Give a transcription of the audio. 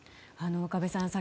岡部さん